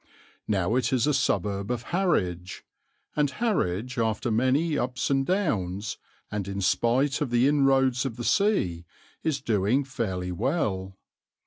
Now it is a suburb of Harwich, and Harwich, after many ups and downs, and in spite of the inroads of the sea, is doing fairly well.